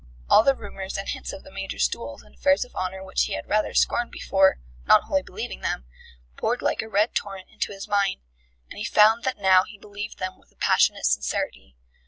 All the rumours and hints of the Major's duels and affairs of honour, which he had rather scorned before, not wholly believing them, poured like a red torrent into his mind, and he found that now he believed them with a passionate sincerity.